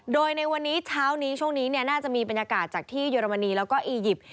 โดยในวันนี้เช้านี้ช่วงนี้น่าจะมีบรรยากาศจากที่เยอรมนีแล้วก็อียิปต์